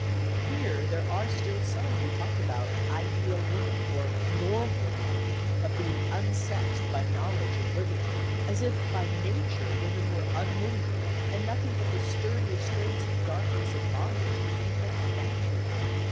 Here there are still some who talk about "Ideal Woman," or "Normal Woman," of being unsexed by knowledge and liberty, as if by nature women were unwomanly, and nothing but the stern restraints of darkness and bondage could keep them natural.